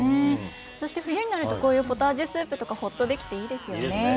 そして冬になると、こういうポタージュスープとか、ほっとできていいですよね。